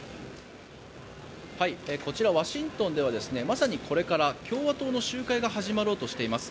こちら、ワシントンではまさにこれから共和党の集会が始まろうとしています。